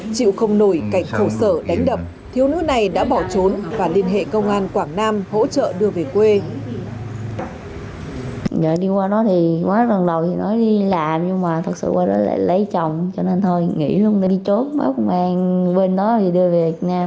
chịu không nổi cảnh khổ sở đánh đập thiếu nữ này đã bỏ trốn và liên hệ công an quảng nam hỗ trợ đưa về quê